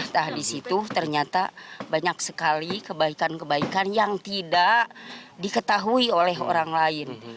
nah di situ ternyata banyak sekali kebaikan kebaikan yang tidak diketahui oleh orang lain